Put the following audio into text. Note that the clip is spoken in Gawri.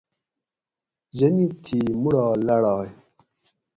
جنِت تھی مُڑال لاڑائ